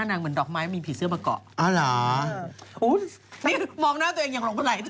เดี๋ยวพี่มาร์คจะกลับมาก็ไป